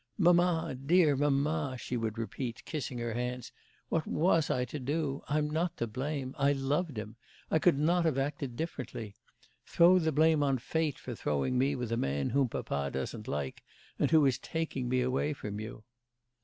'Mamma, dear mamma!' she would repeat, kissing her hands; 'what was I to do? I'm not to blame, I loved him, I could not have acted differently. Throw the blame on fate for throwing me with a man whom papa doesn't like, and who is taking me away from you.